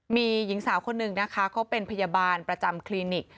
มีหญิงสาวคนหนึ่งนะคะเขาเป็นพยาบาลประจำคลินิก